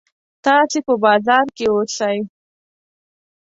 تاسې په بازار کې اوسئ.